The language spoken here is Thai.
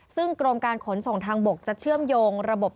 ซึ่งกรมการขนส่งทางบกจะเชื่อมโยงระบบ